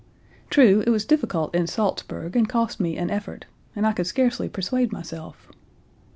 True it was difficult in Salzburg and cost me an effort and I could scarcely persuade myself.